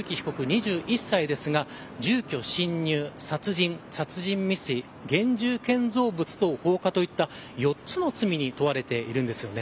２１歳ですが住居侵入、殺人殺人未遂、現住建造物等放火といった４つの罪に問われているんです。